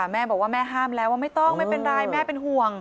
แม่บอกว่าแม่ห้ามแล้วว่าไม่ต้องไม่เป็นไรแม่เป็นห่วง